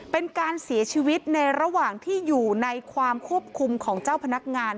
เป็นการเสียชีวิตในระหว่างที่อยู่ในความควบคุมของเจ้าพนักงาน